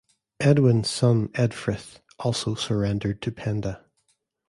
Edwin's son Edfrith also surrendered to Penda.